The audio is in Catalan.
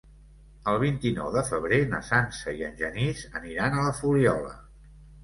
El vint-i-nou de febrer na Sança i en Genís aniran a la Fuliola.